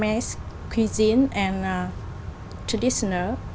vì vậy anh nghĩ gì về hợp tác này